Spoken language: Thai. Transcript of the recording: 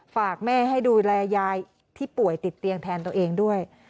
ฝากแม่ให้ดูแลยายที่ป่วยติดเตียงแทนตัวเองด้วย